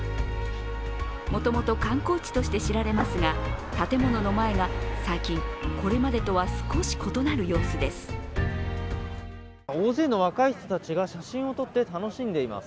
もともと観光地として知られますが、建物の前が最近、これまでとは少し異なる様子です。